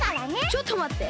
ちょっとまって！